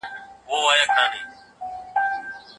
ژبه باید بیا ورغول شي.